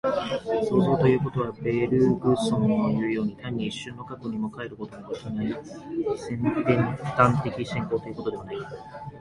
創造ということは、ベルグソンのいうように、単に一瞬の過去にも還ることのできない尖端的進行ということではない。